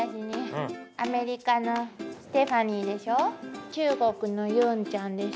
アメリカのステファニーでしょ中国のユンちゃんでしょ。